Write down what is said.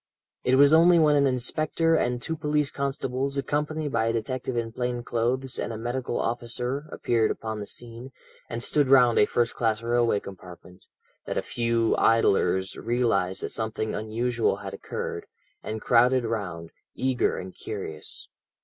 It was only when an inspector and two police constables, accompanied by a detective in plain clothes and a medical officer, appeared upon the scene, and stood round a first class railway compartment, that a few idlers realized that something unusual had occurred, and crowded round, eager and curious.